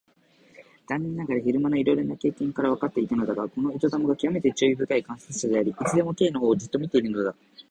残念ながら昼間のいろいろな経験からわかっていたのだが、この糸玉がきわめて注意深い観察者であり、いつでも Ｋ のほうをじっと見ているのだ。